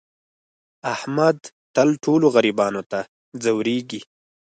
احمد تل ټولو غریبانو ته ځورېږي.